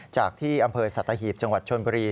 จากที่อำเภอสัตหีบจังหวัดชนบุรี